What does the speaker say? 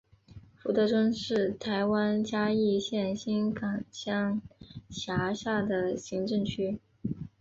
福德村是台湾嘉义县新港乡辖下的行政区。